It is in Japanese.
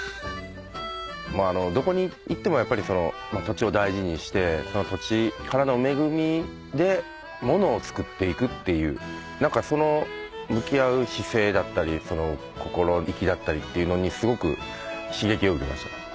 もうどこに行ってもやっぱり土地を大事にしてその土地からの恵みで物を作っていくっていう何かその向き合う姿勢だったり心意気だったりっていうのにすごく刺激を受けました。